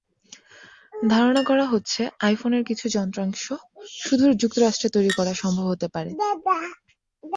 ধারণা করা হচ্ছে, আইফোনের কিছু যন্ত্রাংশ শুধু যুক্তরাষ্ট্রে তৈরি করা সম্ভব হতে পারে।